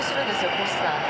ポスターの。